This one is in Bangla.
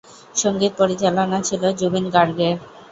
সঙ্গীত পরিচালনা ছিল জুবিন গার্গ-এর।